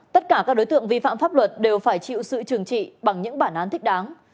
tất cả các đối tượng vi phạm pháp luật đều phải chịu sự trừng trị bằng những bản án thích đáng